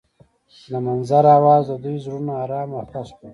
د منظر اواز د دوی زړونه ارامه او خوښ کړل.